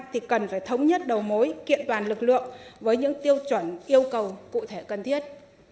thì cần phải thống nhất đầu mối kiện toàn lực lượng với những tiêu chuẩn yêu cầu cụ thể cần thiết